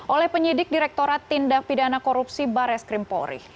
oleh penyidik direktorat tindak pidana korupsi bares krim polri